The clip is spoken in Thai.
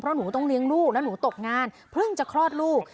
เพราะหนูต้องเลี้ยงลูกแล้วหนูตกงานเพิ่งจะคลอดลูก